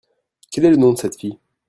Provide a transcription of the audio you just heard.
Quel est le nom de cette fille ?